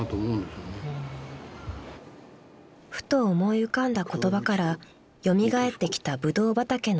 ［ふと思い浮かんだ言葉から蘇ってきたブドウ畑の風景］